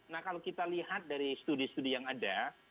nah kalau kita lihat dari studi studi yang ada